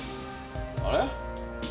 あれ？